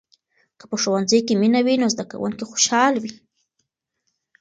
که په ښوونځي کې مینه وي، نو زده کوونکي خوشحال وي.